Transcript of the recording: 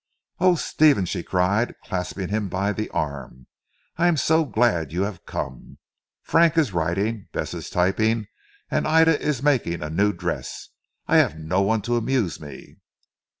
"Oh, Stephen!" she cried clasping him by the arm. "I am so glad you have come. Frank is writing, Bess is typing, and Ida is making a new dress. I have no one to amuse me."